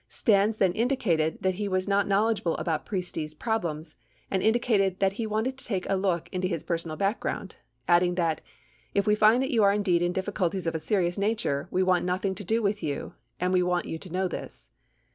Stans then indicated that he was not knowledge able about Priests' problems and indicated that he wanted to take a look into his personal background, adding that, "If we find that you are indeed in difficulties of a serious nature, we want nothing to do with you and we want you to know this."